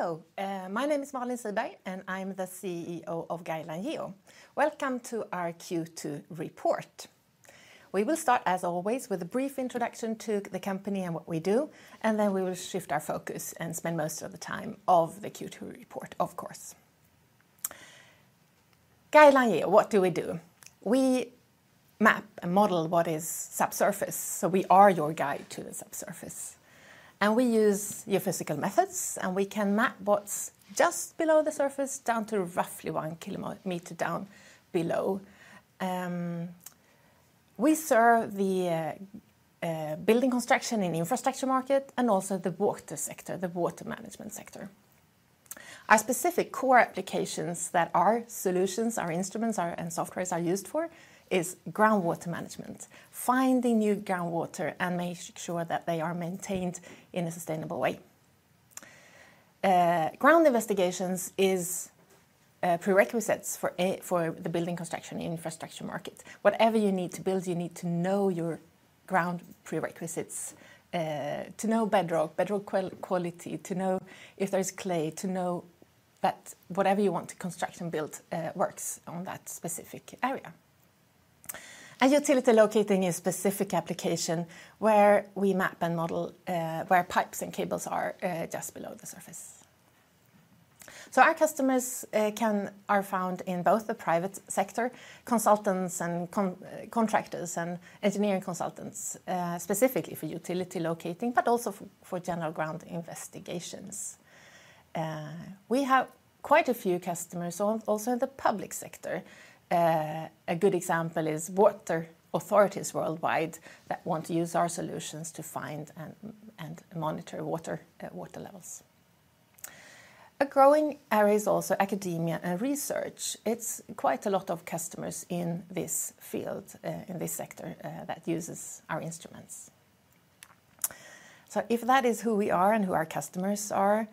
Hello, my name is Malin Siberg, and I'm the CEO of Guideline Geo. Welcome to our Q2 report. We will start, as always, with a brief introduction to the company and what we do, and then we will shift our focus and spend most of the time on the Q2 report, of course. Guideline Geo, what do we do? We map and model what is subsurface, so we are your guide to the subsurface, and we use geophysical methods, and we can map what's just below the surface, down to roughly one kilometer, meter down below. We serve the building construction and infrastructure market, and also the water sector, the water management sector. Our specific core applications that our solutions, our instruments, and softwares are used for is groundwater management, finding new groundwater, and make sure that they are maintained in a sustainable way. Ground investigations is prerequisites for the building construction and infrastructure market. Whatever you need to build, you need to know your ground prerequisites to know bedrock quality, to know if there's clay, to know that whatever you want to construct and build works on that specific area, and utility locating is specific application where we map and model where pipes and cables are just below the surface, so our customers are found in both the private sector, consultants and contractors and engineering consultants, specifically for utility locating, but also for general ground investigations. We have quite a few customers also in the public sector. A good example is water authorities worldwide that want to use our solutions to find and monitor water levels. A growing area is also academia and research. It's quite a lot of customers in this field, in this sector, that uses our instruments. So if that is who we are and who our customers are,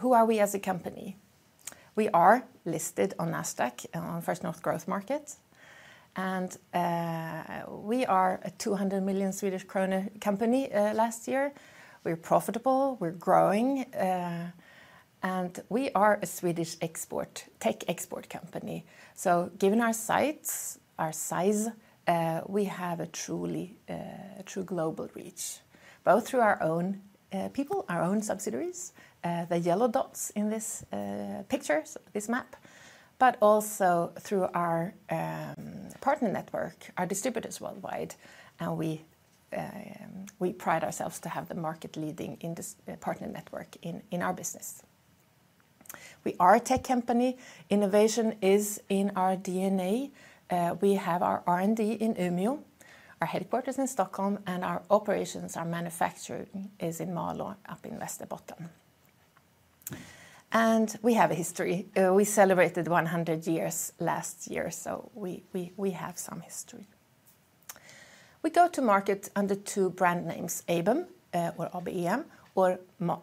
who are we as a company? We are listed on Nasdaq, on First North Growth Market, and we are a 200 million Swedish krona company, last year. We're profitable, we're growing, and we are a Swedish export, tech export company. So given our size, we have a true global reach, both through our own people, our own subsidiaries, the yellow dots in this picture, this map, but also through our partner network, our distributors worldwide. And we pride ourselves to have the market leading partner network in our business. We are a tech company. Innovation is in our DNA. We have our R&D in Umeå, our headquarters in Stockholm, and our operations, our manufacturing, is in Malå, up in Västerbotten. We have a history. We celebrated one hundred years last year, so we have some history. We go to market under two brand names, ABEM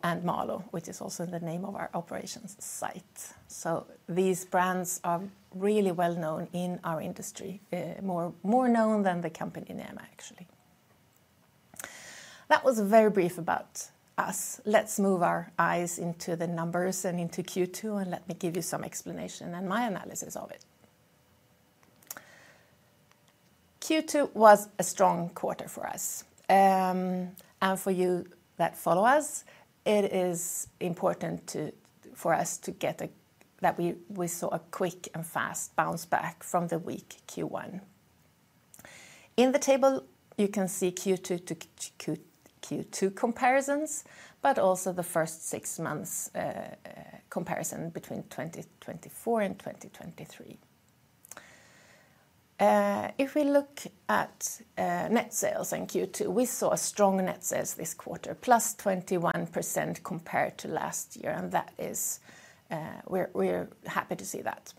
and MALÅ, which is also the name of our operations site. So these brands are really well known in our industry, more known than the company name actually. That was very brief about us. Let's move our eyes into the numbers and into Q2, and let me give you some explanation and my analysis of it. Q2 was a strong quarter for us. For you that follow us, it is important to, for us to get a... that we, we saw a quick and fast bounce back from the weak Q1. In the table, you can see Q2 to Q2 comparisons, but also the first six months, comparison between 2024 and 2023. If we look at net sales in Q2, we saw a strong net sales this quarter, plus 21% compared to last year, and that is, we're, we're happy to see that.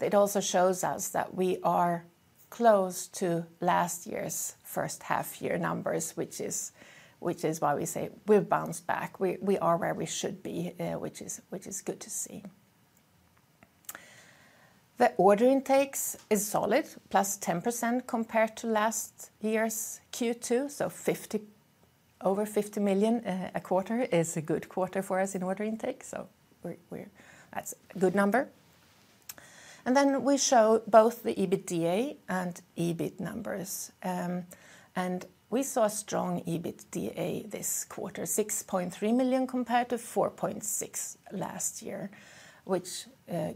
It also shows us that we are close to last year's first half-year numbers, which is, which is why we say we've bounced back. We, we are where we should be, which is, which is good to see. The order intakes is solid, plus 10% compared to last year's Q2, so over 50 million a quarter is a good quarter for us in order intake. So we're, we're. That's a good number. Then we show both the EBITDA and EBIT numbers. We saw a strong EBITDA this quarter, 6.3 million compared to 4.6 million last year, which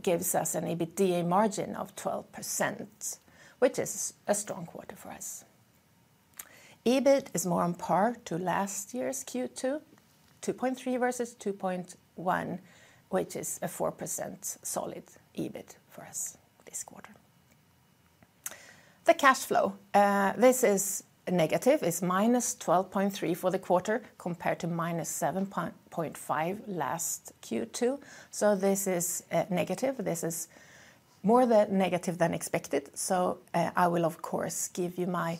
gives us an EBITDA margin of 12%, which is a strong quarter for us. EBIT is more on par to last year's Q2, 2.3 versus 2.1, which is a 4% solid EBIT for us this quarter. The cash flow this is negative. It's -12.3 million for the quarter, compared to -7.5 million last Q2, so this is negative. This is more than negative than expected, so I will, of course, give you my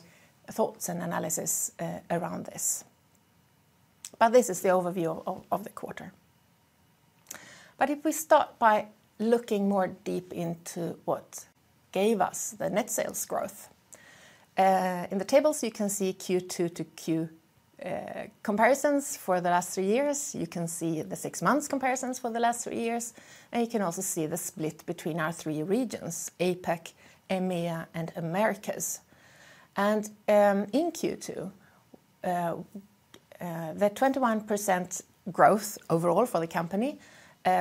thoughts and analysis around this. This is the overview of the quarter. If we start by looking more deep into what gave us the net sales growth. In the tables, you can see Q2 to Q2 comparisons for the last three years. You can see the six months comparisons for the last three years, and you can also see the split between our three regions: APAC, EMEA, and Americas. And in Q2, the 21% growth overall for the company,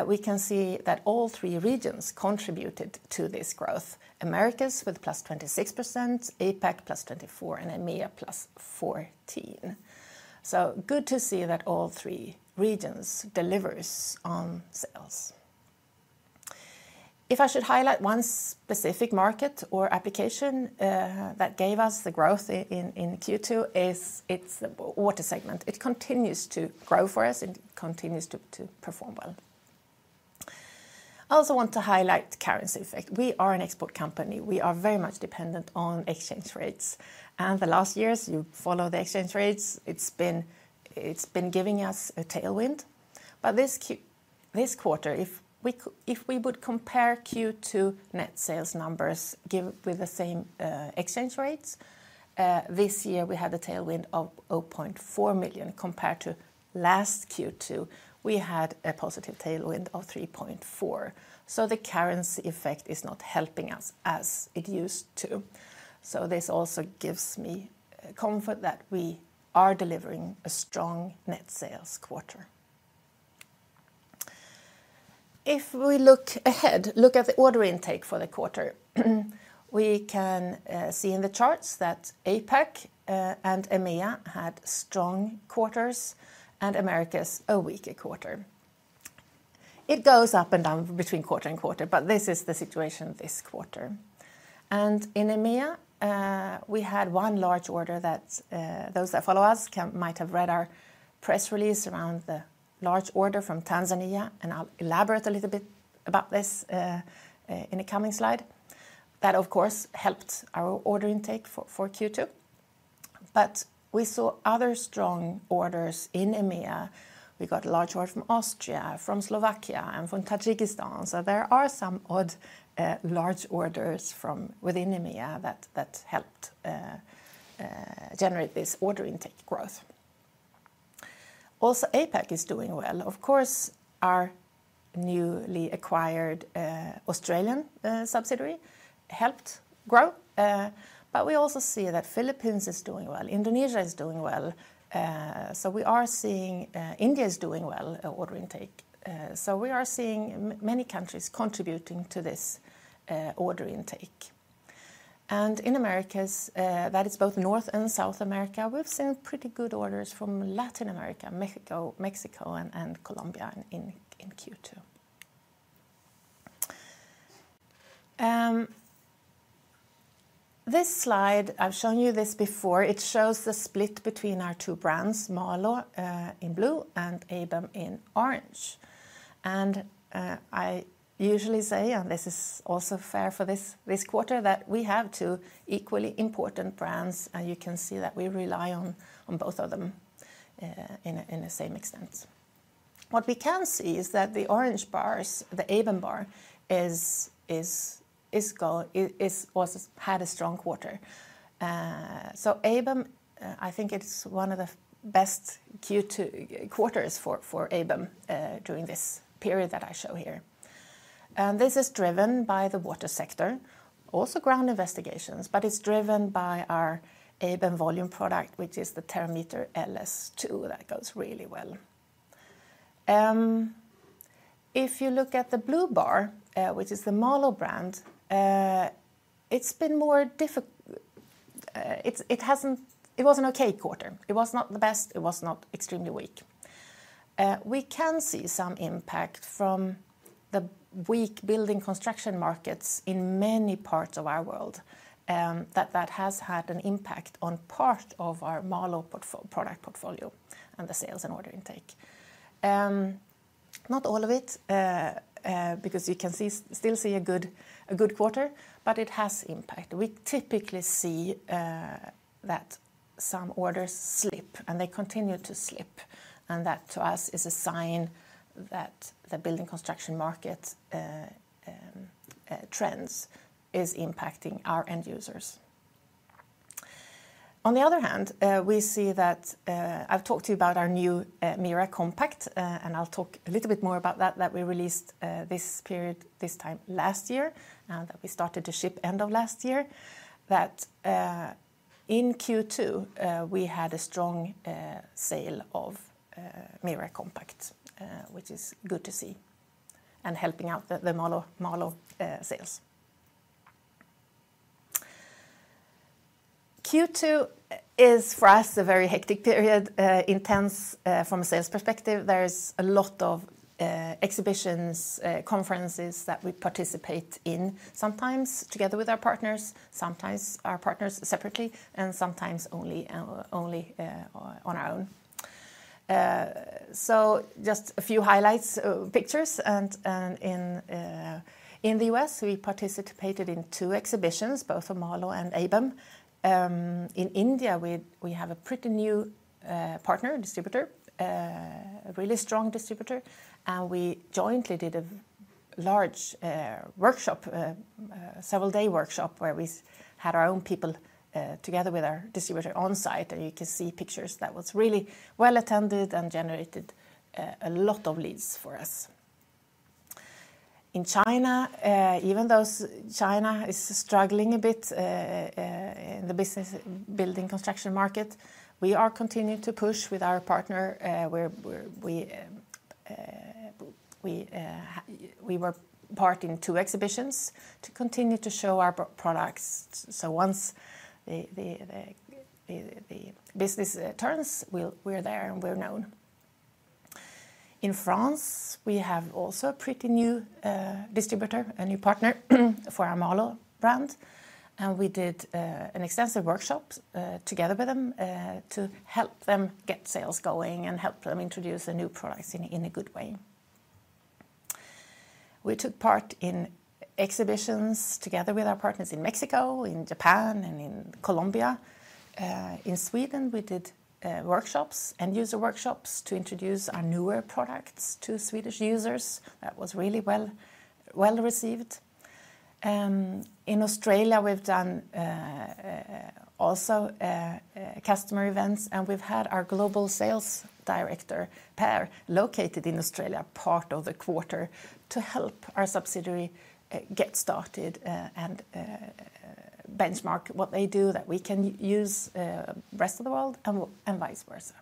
we can see that all three regions contributed to this growth. Americas with +26%, APAC plus 24, and EMEA plus 14. So good to see that all three regions delivers on sales. If I should highlight one specific market or application that gave us the growth in Q2, it's the water segment. It continues to grow for us and continues to perform well. I also want to highlight currency effect. We are an export company. We are very much dependent on exchange rates. And the last years, you follow the exchange rates, it's been giving us a tailwind. But this quarter, if we would compare Q2 net sales numbers given with the same exchange rates, this year we had a tailwind of 0.4 million, compared to last Q2, we had a positive tailwind of 3.4 million. So the currency effect is not helping us as it used to. So this also gives me comfort that we are delivering a strong net sales quarter. If we look ahead, look at the order intake for the quarter, we can see in the charts that APAC and EMEA had strong quarters, and Americas a weaker quarter. It goes up and down between quarter and quarter, but this is the situation this quarter. In EMEA, we had one large order that those that follow us might have read our press release around the large order from Tanzania, and I'll elaborate a little bit about this in the coming slide. That, of course, helped our order intake for Q2. We saw other strong orders in EMEA. We got a large order from Austria, from Slovakia, and from Tajikistan. There are some odd large orders from within EMEA that helped generate this order intake growth. Also, APAC is doing well. Of course, our newly acquired Australian subsidiary helped grow, but we also see that Philippines is doing well, Indonesia is doing well. We are seeing India is doing well order intake. We are seeing many countries contributing to this order intake. In Americas, that is both North and South America, we've seen pretty good orders from Latin America, Mexico, and Colombia in Q2. This slide, I've shown you this before. It shows the split between our two brands, MALÅ, in blue and ABEM in orange. I usually say, and this is also fair for this quarter, that we have two equally important brands, and you can see that we rely on both of them, in the same extent. What we can see is that the orange bars, the ABEM bar, had a strong quarter. So ABEM, I think it's one of the best Q2 quarters for ABEM during this period that I show here. This is driven by the water sector, also ground investigations, but it's driven by our ABEM volume product, which is the Terrameter LS 2, that goes really well. If you look at the blue bar, which is the MALÅ brand. It was an okay quarter. It was not the best, it was not extremely weak. We can see some impact from the weak building construction markets in many parts of our world, that has had an impact on part of our MALÅ product portfolio and the sales and order intake. Not all of it, because you can still see a good quarter, but it has impact. We typically see that some orders slip, and they continue to slip, and that, to us, is a sign that the building construction market trends is impacting our end users. On the other hand, we see that, I've talked to you about our new MIRA Compact, and I'll talk a little bit more about that, that we released this period, this time last year, that we started to ship end of last year. That, in Q2, we had a strong sale of MIRA Compact, which is good to see, and helping out the MALÅ sales. Q2 is, for us, a very hectic period, intense, from a sales perspective. There's a lot of exhibitions, conferences that we participate in, sometimes together with our partners, sometimes our partners separately, and sometimes only on our own. So just a few highlights, pictures, and in the US, we participated in two exhibitions, both for MALÅ and ABEM. In India, we have a pretty new partner, distributor, a really strong distributor, and we jointly did a large several day workshop where we had our own people together with our distributor on site, and you can see pictures that was really well attended and generated a lot of leads for us. In China, even though China is struggling a bit in the business building construction market, we are continuing to push with our partner, where we were part in two exhibitions to continue to show our products. So once the business turns, we're there, and we're known. In France, we have also a pretty new distributor, a new partner, for our MALÅ brand, and we did an extensive workshop together with them to help them get sales going and help them introduce the new products in a good way. We took part in exhibitions together with our partners in Mexico, in Japan, and in Colombia. In Sweden, we did workshops, end-user workshops, to introduce our newer products to Swedish users. That was really well received. In Australia, we've done also customer events, and we've had our global sales director, Per, located in Australia part of the quarter to help our subsidiary get started, and benchmark what they do that we can use rest of the world, and vice versa.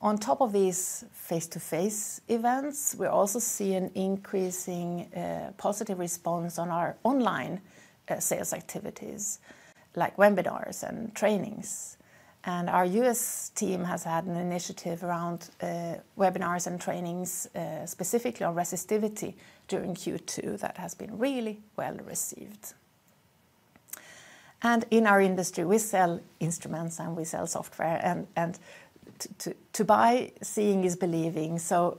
On top of these face-to-face events, we also see an increasing positive response on our online sales activities, like webinars and trainings. Our US team has had an initiative around webinars and trainings specifically on resistivity during Q2 that has been really well received. In our industry, we sell instruments, and we sell software, and to buy, seeing is believing, so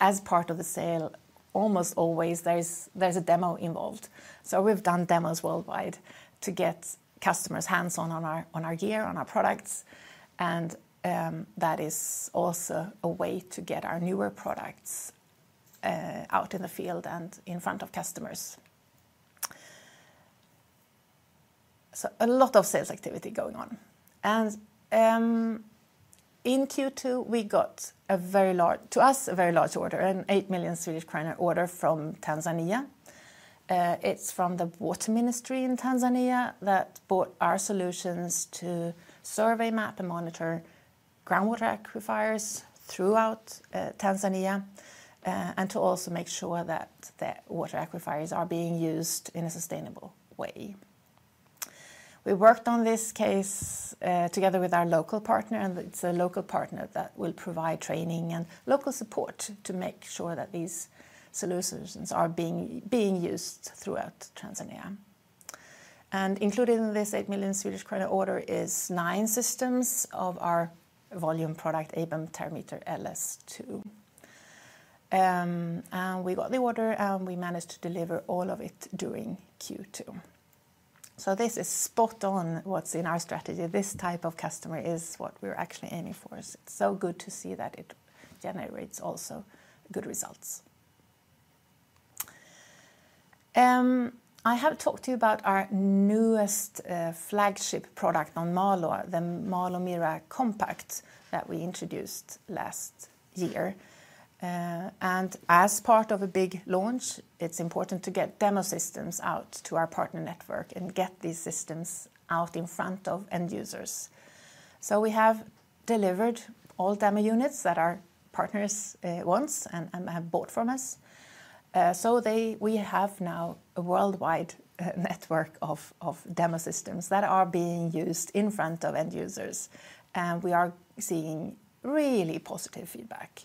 as part of the sale, almost always, there's a demo involved. We've done demos worldwide to get customers hands-on on our gear, on our products, and that is also a way to get our newer products out in the field and in front of customers. A lot of sales activity going on. In Q2, we got a very large order to us, a 8 million Swedish kronor order from Tanzania. It's from the Ministry of Water in Tanzania that bought our solutions to survey, map, and monitor groundwater aquifers throughout Tanzania, and to also make sure that the water aquifers are being used in a sustainable way. We worked on this case together with our local partner, and it's a local partner that will provide training and local support to make sure that these solutions are being used throughout Tanzania. And included in this 8 million Swedish krona order is nine systems of our volume product, ABEM Terrameter LS 2. And we got the order, and we managed to deliver all of it during Q2. So this is spot on what's in our strategy. This type of customer is what we're actually aiming for. So it's so good to see that it generates also good results. I have talked to you about our newest, flagship product on MALÅ, the MALÅ MIRA Compact, that we introduced last year. And as part of a big launch, it's important to get demo systems out to our partner network and get these systems out in front of end users. So we have delivered all demo units that our partners wants and have bought from us. So they... We have now a worldwide network of demo systems that are being used in front of end users, and we are seeing really positive feedback.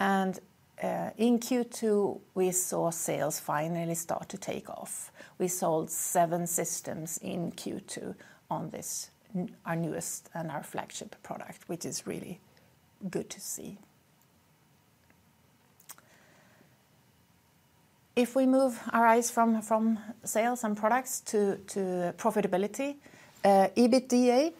In Q2, we saw sales finally start to take off. We sold seven systems in Q2 on this, our newest and our flagship product, which is really good to see. If we move our eyes from sales and products to profitability, EBITDA,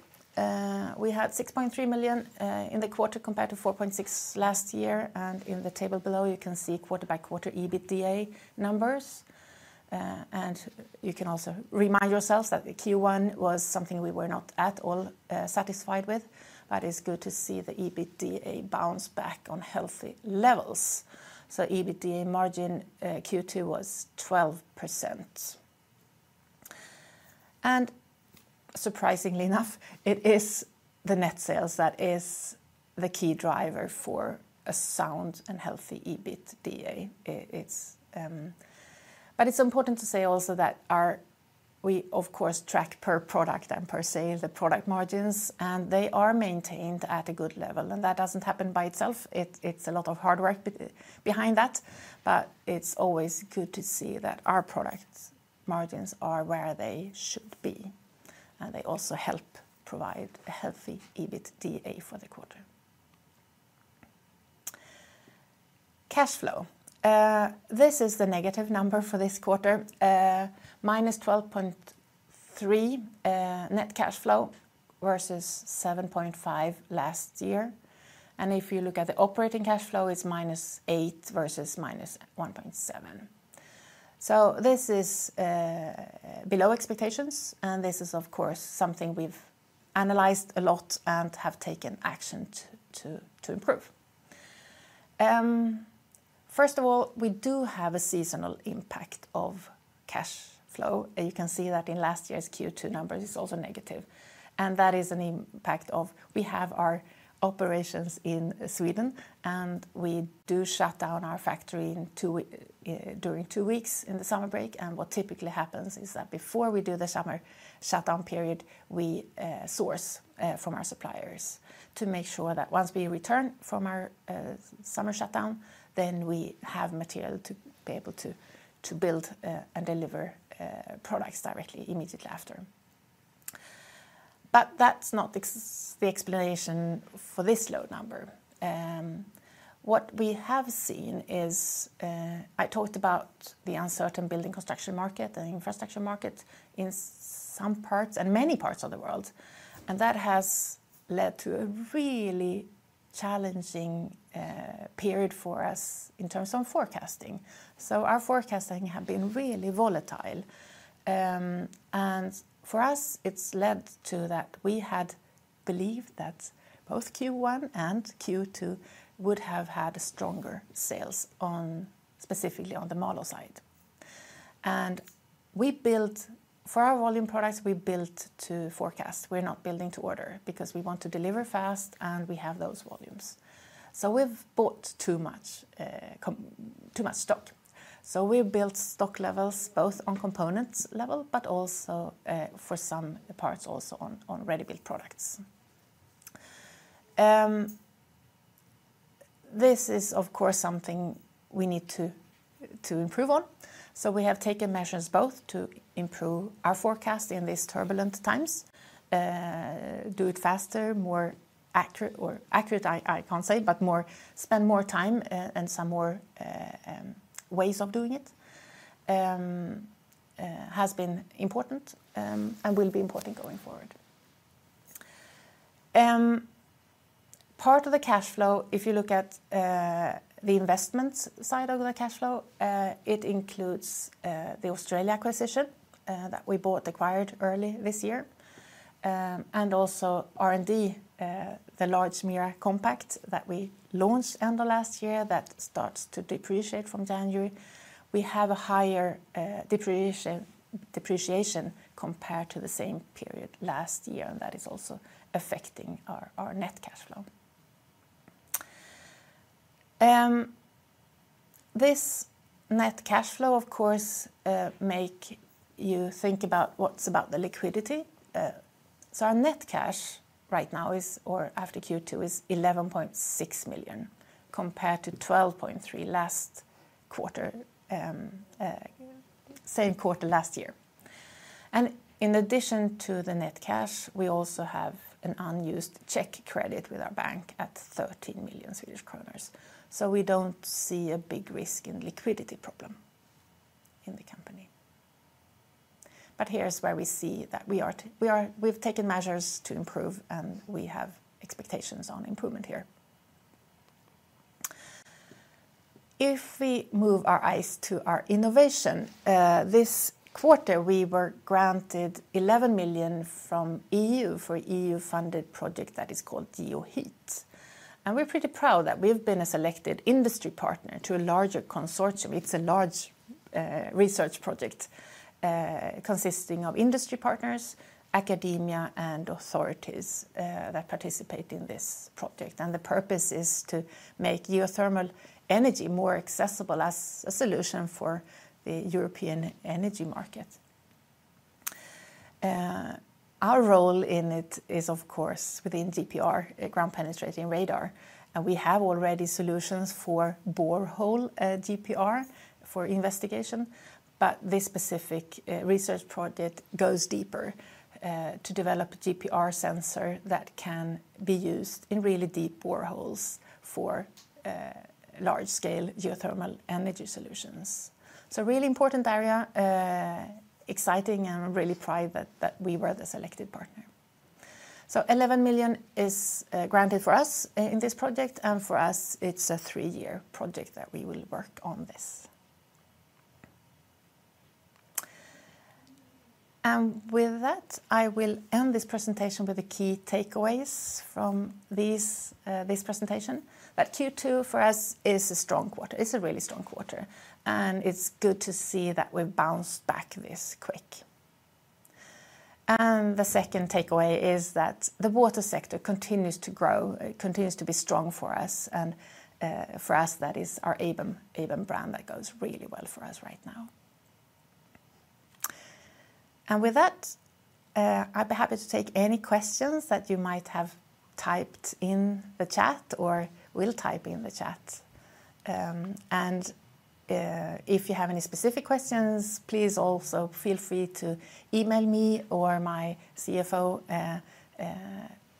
we had 6.3 million in the quarter, compared to 4.6 last year, and in the table below, you can see quarter by quarter EBITDA numbers. You can also remind yourselves that the Q1 was something we were not at all satisfied with, but it's good to see the EBITDA bounce back on healthy levels. EBITDA margin, Q2 was 12%. Surprisingly enough, it is the net sales that is the key driver for a sound and healthy EBITDA. It's important to say also that we, of course, track per product and per se, the product margins, and they are maintained at a good level, and that doesn't happen by itself. It's a lot of hard work behind that, but it's always good to see that our products margins are where they should be, and they also help provide a healthy EBITDA for the quarter. Cash flow. This is the negative number for this quarter, minus twelve point three net cash flow versus seven point five last year, and if you look at the operating cash flow, it's minus eight versus minus one point seven. So this is below expectations, and this is, of course, something we've analyzed a lot and have taken action to improve. First of all, we do have a seasonal impact of cash flow. You can see that in last year's Q2 numbers, it's also negative, and that is an impact of we have our operations in Sweden, and we do shut down our factory during two weeks in the summer break. And what typically happens is that before we do the summer shutdown period, we source from our suppliers to make sure that once we return from our summer shutdown, then we have material to be able to build and deliver products directly, immediately after. But that's not the explanation for this low number. What we have seen is, I talked about the uncertain building construction market and infrastructure market in some parts and many parts of the world, and that has led to a really challenging period for us in terms of forecasting. So our forecasting have been really volatile, and for us, it's led to that we had believed that both Q1 and Q2 would have had stronger sales on, specifically on the MALÅ side. For our volume products, we built to forecast. We're not building to order, because we want to deliver fast, and we have those volumes. So we've bought too much stock. So we've built stock levels, both on components level, but also, for some parts, also on ready-built products. This is of course something we need to improve on, so we have taken measures both to improve our forecast in these turbulent times, do it faster, more accurate. I can't say, but spend more time and some more ways of doing it. Has been important and will be important going forward. Part of the cash flow, if you look at the investment side of the cash flow, it includes the Australia acquisition that we bought, acquired early this year, and also R&D, the large MALÅ MIRA Compact that we launched end of last year, that starts to depreciate from January. We have a higher depreciation compared to the same period last year, and that is also affecting our net cash flow. This net cash flow, of course, make you think about what's about the liquidity. So our net cash right now is, or after Q2, is 11.6 million, compared to 12.3 million last quarter, same quarter last year. And in addition to the net cash, we also have an unused check credit with our bank at 13 million Swedish kronor. So we don't see a big risk in liquidity problem in the company. But here's where we see that we've taken measures to improve, and we have expectations on improvement here. If we move our eyes to our innovation, this quarter, we were granted 11 million from EU for EU-funded project that is called GeoHeat. And we're pretty proud that we've been a selected industry partner to a larger consortium. It's a large research project consisting of industry partners, academia, and authorities that participate in this project, and the purpose is to make geothermal energy more accessible as a solution for the European energy market. Our role in it is, of course, within GPR, ground-penetrating radar, and we have already solutions for borehole GPR for investigation. But this specific research project goes deeper to develop a GPR sensor that can be used in really deep boreholes for large-scale geothermal energy solutions. It's a really important area, exciting and really proud that we were the selected partner. 11 million is granted for us in this project, and for us, it's a three-year project that we will work on this. And with that, I will end this presentation with the key takeaways from this, this presentation, that Q2 for us is a strong quarter. It's a really strong quarter, and it's good to see that we've bounced back this quick. And the second takeaway is that the water sector continues to grow. It continues to be strong for us, and, for us, that is our ABEM brand that goes really well for us right now. And with that, I'd be happy to take any questions that you might have typed in the chat or will type in the chat. And, if you have any specific questions, please also feel free to email me or my CFO.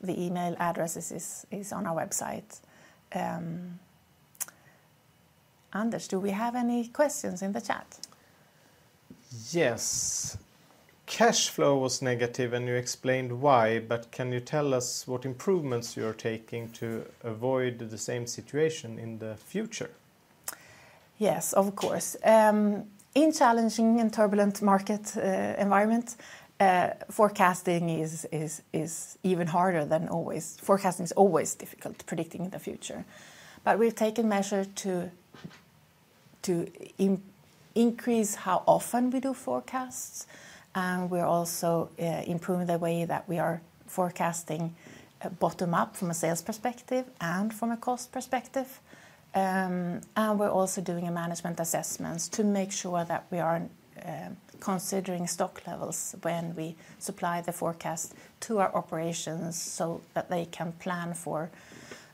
The email address is on our website. Anders, do we have any questions in the chat? Yes. Cash flow was negative, and you explained why, but can you tell us what improvements you are taking to avoid the same situation in the future? Yes, of course. In challenging and turbulent market environment, forecasting is even harder than always. Forecasting is always difficult, predicting the future. But we've taken measures to increase how often we do forecasts, and we're also improving the way that we are forecasting bottom up from a sales perspective and from a cost perspective. And we're also doing management assessments to make sure that we are considering stock levels when we supply the forecast to our operations, so that they can plan for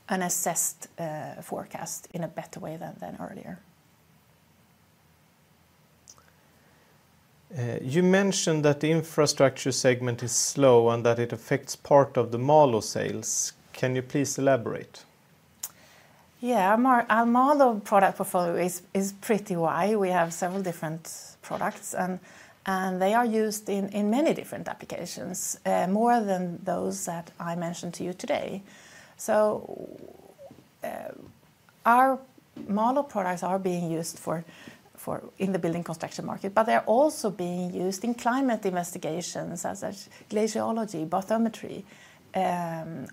an assessed forecast in a better way than earlier. You mentioned that the infrastructure segment is slow and that it affects part of the MALÅ sales. Can you please elaborate? Yeah. Our MALÅ product portfolio is pretty wide. We have several different products, and they are used in many different applications, more than those that I mentioned to you today. So, our MALÅ products are being used for in the building construction market, but they're also being used in climate investigations, as such, glaciology, bathymetry,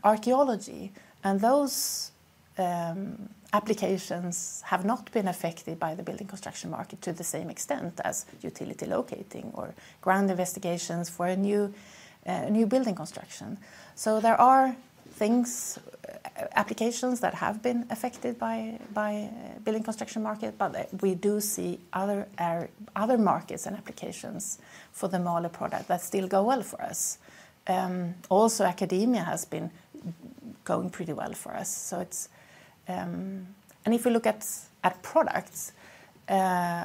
archaeology. And those applications have not been affected by the building construction market to the same extent as utility locating or ground investigations for a new building construction. So there are things, applications that have been affected by building construction market, but we do see other markets and applications for the MALÅ product that still go well for us. Also, academia has been going pretty well for us. So it's... And if you look at products,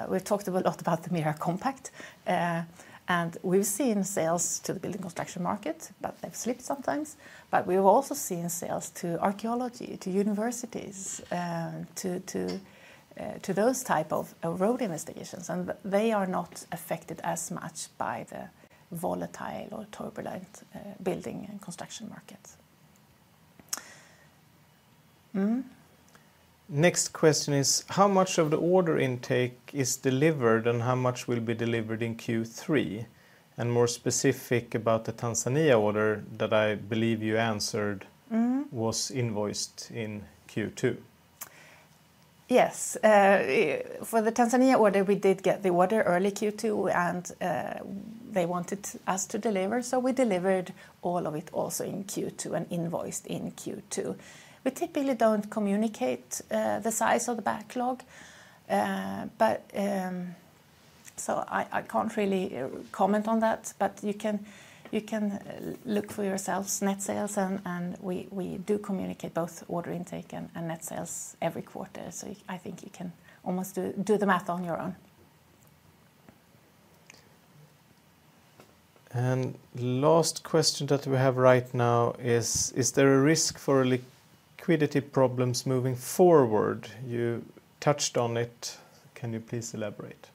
we've talked a lot about the MIRA Compact, and we've seen sales to the building construction market, but they've slipped sometimes. But we've also seen sales to archeology, to universities, to those type of road investigations, and they are not affected as much by the volatile or turbulent building and construction markets. Next question is, how much of the order intake is delivered, and how much will be delivered in Q3? And more specific about the Tanzania order that I believe you answered- Mm-hmm... was invoiced in Q2. Yes. For the Tanzania order, we did get the order early Q2, and they wanted us to deliver, so we delivered all of it also in Q2 and invoiced in Q2. We typically don't communicate the size of the backlog, but so I can't really comment on that, but you can look for yourselves net sales, and we do communicate both order intake and net sales every quarter. So I think you can almost do the math on your own. And last question that we have right now is: Is there a risk for liquidity problems moving forward? You touched on it. Can you please elaborate?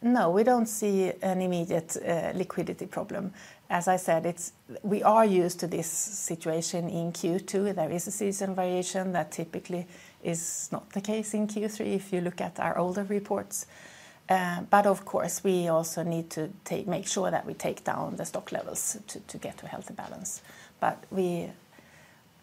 No, we don't see an immediate liquidity problem. As I said, we are used to this situation in Q2. There is a seasonal variation that typically is not the case in Q3, if you look at our older reports. But of course, we also need to make sure that we take down the stock levels to get to a healthy balance. But we,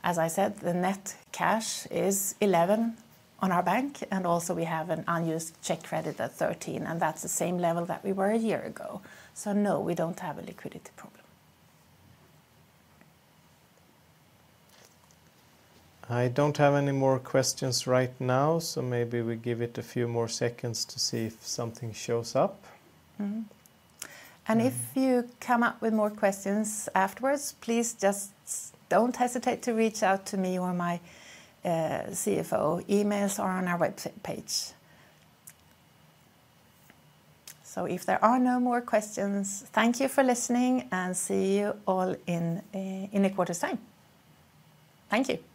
as I said, the net cash is 11 on our bank, and also we have an unused check credit at 13, and that's the same level that we were a year ago. So no, we don't have a liquidity problem. I don't have any more questions right now, so maybe we give it a few more seconds to see if something shows up. Mm-hmm. And if you come up with more questions afterwards, please just don't hesitate to reach out to me or my CFO. Emails are on our website page. So if there are no more questions, thank you for listening, and see you all in a quarter's time. Thank you!